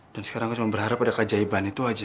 dan sekarang aku cuma berharap ada keajaiban itu aja